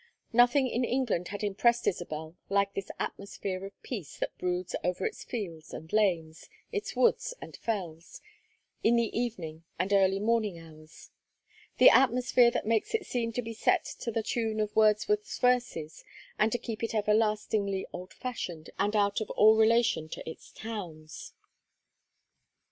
Nothing in England had impressed Isabel like this atmosphere of peace that broods over its fields and lanes, its woods and fells, in the evening and early morning hours; the atmosphere that makes it seem to be set to the tune of Wordsworth's verses, and to keep it everlastingly old fashioned and out of all relation to its towns.